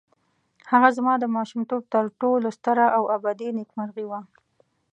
هغه زما د ماشومتوب تر ټولو ستره او ابدي نېکمرغي وه.